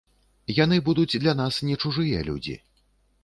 Яны будуць для нас не чужыя людзі.